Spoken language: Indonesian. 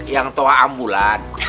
yang tua ambulan